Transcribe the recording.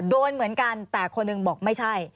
โดนเหมือนกันแต่คนหนึ่งบอกไม่ใช่